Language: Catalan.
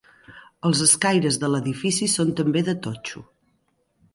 Els escaires de l'edifici són també de totxo.